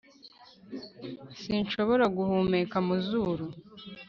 sinshobora guhumeka mu zuru